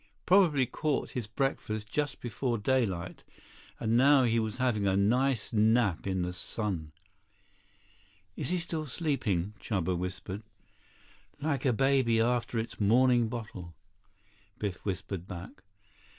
Probably caught his breakfast just before daylight, and now he was having a nice nap in the sun. "Is he still sleeping?" Chuba whispered. "Like a baby after its morning bottle," Biff whispered back.